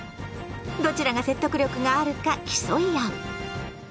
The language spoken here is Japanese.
どちらが説得力があるか競い合う。